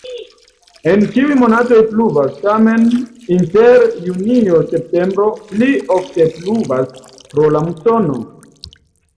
En ĉiuj monatoj pluvas, tamen inter junio-septembro pli ofte pluvas pro la musono.